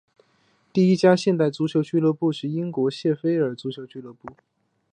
第一家现代足球俱乐部是英国谢菲尔德足球俱乐部。